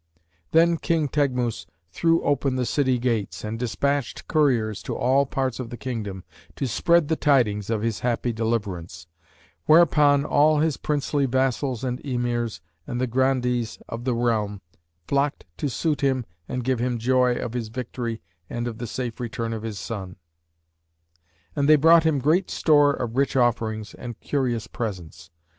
Then King Teghmus threw open the city gates and despatched couriers to all parts of the kingdom, to spread the tidings of his happy deliverance; whereupon all his princely Vassals and Emirs and the Grandees of the realm flocked to salute him and give him joy of his victory and of the safe return of his son; and they brought him great store of rich offerings and curious presents.